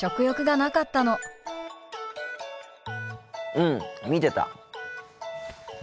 うん見てた。